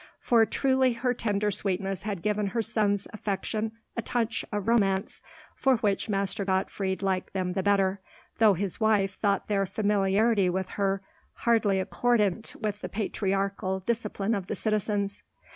For truly her tender sweetness had given her sons' affection a touch of romance, for which Master Gottfried liked them the better, though his wife thought their familiarity with her hardly accordant with the patriarchal discipline of the citizens.